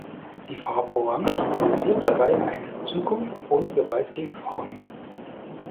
Die Farbe Orange symbolisiert dabei eine Zukunft ohne Gewalt gegen Frauen.